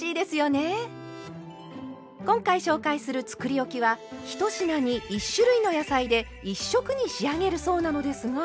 今回紹介するつくりおきは１品に１種類の野菜で１色に仕上げるそうなのですが。